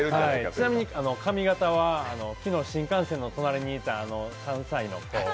ちなみに髪形は昨日、新幹線の隣にいた、３歳の子を。